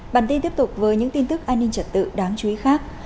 bản tin tiếp tục với những tin tức an ninh trật tự đáng chú ý khác